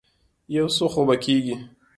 يو څه خو به کېږي.